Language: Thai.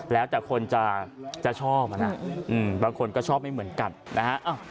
แล้วแต่คนจะชอบอ่ะนะบางคนก็ชอบไม่เหมือนกันนะฮะ